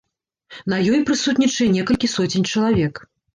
На ёй прысутнічае некалькі соцень чалавек.